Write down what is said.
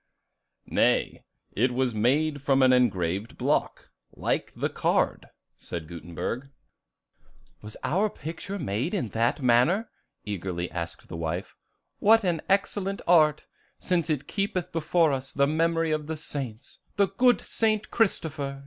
"Nay, it was made from an engraved block, like the card," said Gutenberg. [Illustration: The Knave of Bells.] "Was our picture made in that manner?" eagerly asked the wife. "What an excellent art, since it keepeth before us the memory of the saints! The good St. Christopher!"